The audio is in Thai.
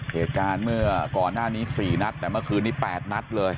เหตุการณ์เมื่อก่อนหน้านี้๔นัดแต่เมื่อคืนนี้๘นัดเลย